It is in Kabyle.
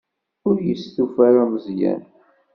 Ur yestufa ara Meẓyan.